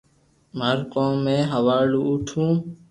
مارو ڪوم ھي ھوالڙو اوٺوو